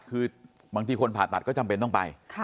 คือบางทีคนผ่าตัดก็จำเป็นต้องไป